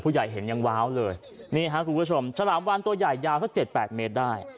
ผู้ใหญ่เห็นยังว้าวเลยนี่ค่ะคุณผู้ชมฉลามวานตัวใหญ่ยาวสัก๗๘เมตรได้